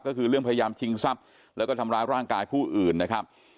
ก็คือเรื่องพยายามชิงทรัพย์แล้วก็ทำร้ายร่างกายผู้อื่นนะครับ